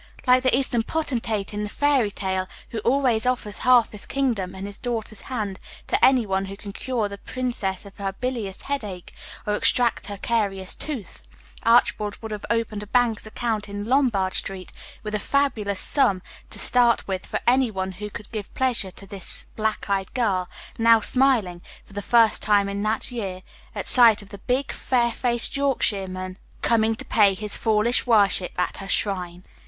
Like the Eastern potentate in the fairy tale, who always offers half his kingdom and his daughter's hand to any one who can cure the princess of her bilious headache, or extract her carious tooth, Archibald would have opened a banker's account in Lombard street, with a fabulous sum to start with, for any one who could give pleasure to this black eyed girl, now smiling, for the first time in that year, at sight of the big, fair faced Yorkshireman coming to pay his foolish worship at her shrine.